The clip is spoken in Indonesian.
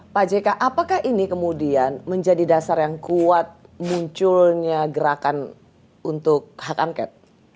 pak jk apakah ini kemudian menjadi dasar yang kuat munculnya gerakan untuk hak angket